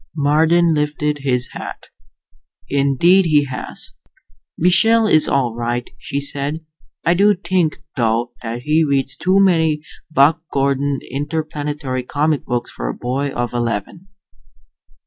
Marden lifted his hat. "Indeed he has." "Michael is all right," she said. "I do think, though, that he reads too many Buck Gordon Interplanetary comic books for a boy of eleven."